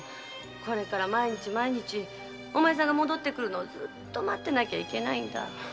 これから毎日毎日お前さんの戻ってくるのを待ってなきゃいけないんだ